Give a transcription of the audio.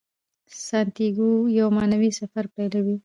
سانتیاګو یو معنوي سفر پیلوي.